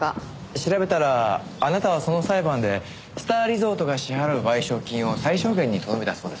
調べたらあなたはその裁判でスターリゾートが支払う賠償金を最小限にとどめたそうですね。